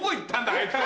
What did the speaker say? あいつら。